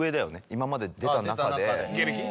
今まで出た中で芸歴？